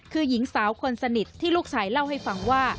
คือหญิงสาวคนสนิทที่ลูกชายเล่าให้ฟังว่า